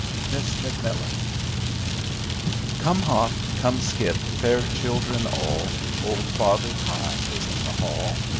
Miss McMillan "Come hop, come skip, fair children all, Old Father Time is in the hall.